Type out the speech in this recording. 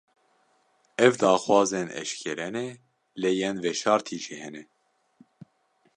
Ev, daxwazên eşkere ne; lê yên veşartî jî hene